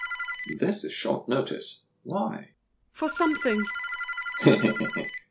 This is short notice! Why?